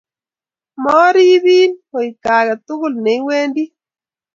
moarupin hoiaketukul neiwendii